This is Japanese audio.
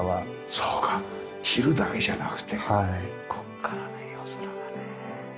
そうか昼だけじゃなくてここからの夜空がねえ。